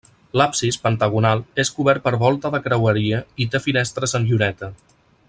L'absis, pentagonal, és cobert per volta de creueria i té finestres en lluneta.